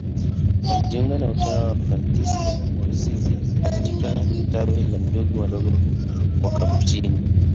Alijiunga na utawa wa Fransisko wa Asizi katika tawi la Ndugu Wadogo Wakapuchini.